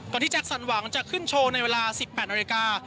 ที่แจ็คสันหวังจะขึ้นโชว์ในเวลา๑๘นาฬิกา